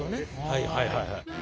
はいはいはいはい。